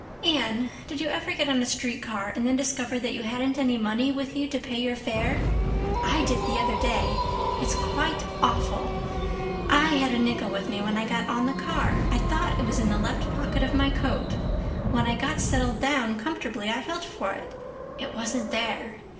"Anne, did you ever get on a street car and then discover that you hadn't any money with you to pay your fare? I did, the other day. It's quite awful. I had a nickel with me when I got on the car. I thought it was in the left pocket of my coat. When I got settled down comfortably I felt for it. It wasn't there.